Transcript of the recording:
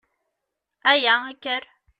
Aya! Kker!